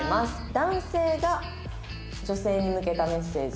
「男性が女性に向けたメッセージ」